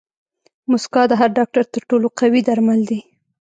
موسکا د هر ډاکټر تر ټولو قوي درمل دي.